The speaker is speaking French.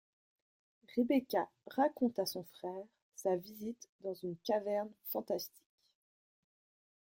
Rebecca raconte à son frère sa visite dans une caverne fantastique.